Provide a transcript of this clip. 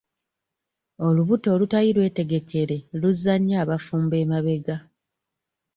Olubuto olutali lwetegekere luzza nnyo abafumbo emabega.